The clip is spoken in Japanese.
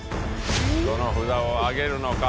どの札を上げるのか？